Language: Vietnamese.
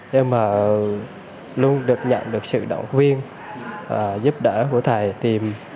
nhưng mà luôn được nhận được sự động viên giúp đỡ của thầy tìm